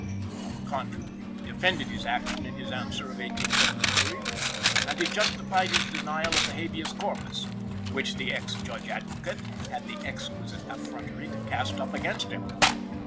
On the contrary, he defended his action in his answer of 1873, and he justified his denial of the habeas corpus, which the ex Judge Advocate had the exquisite affrontery to cast up against him.